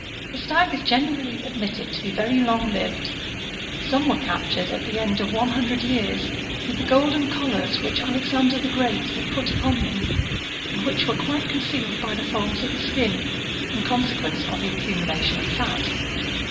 The stag is generally admitted to be very long lived ; some ' were captured at the end of one hundred years with the golden collars which Alexander the Great had put upon them, and which were quite concealed by the folds of the skin, in conse quence of the accumulation of fat.